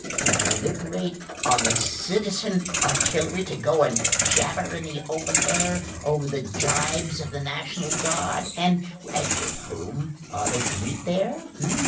To deliberate on the citizen artillery! To go and jabber in the open air over the jibes of the National Guard! And with whom are they to meet there?